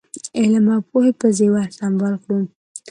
علم او پوهې په زېور سمبال کړو.